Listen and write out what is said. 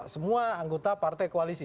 semua anggota partai koalisi